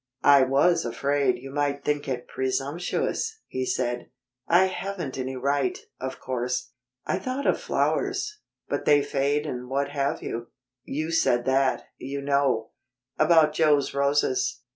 "I was afraid you might think it presumptuous," he said. "I haven't any right, of course. I thought of flowers but they fade and what have you? You said that, you know, about Joe's roses.